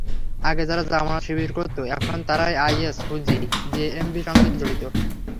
আগে যারা জামায়াত-শিবির করত, এখন তারাই আইএস, হুজি, জেএমবির সঙ্গে জড়িত।